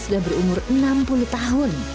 sudah berumur enam puluh tahun